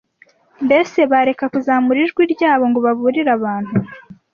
Mbese bareka kuzamura ijwi ryabo ngo baburire abantu?